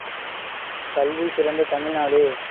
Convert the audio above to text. கல்வி சிறந்த தமிழ்நாடு